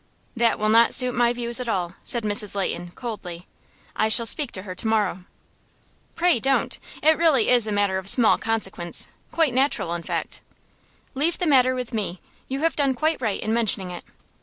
"That will not suit my views at all," said Mrs. Leighton, coldly. "I shall speak to her to morrow." "Pray don't. It really is a matter of small consequence quite natural, in fact." "Leave the matter with me. You have done quite right in mentioning it."